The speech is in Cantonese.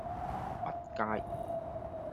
弼街